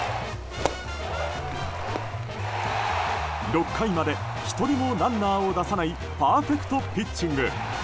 ６回まで１人もランナーを出さないパーフェクトピッチング。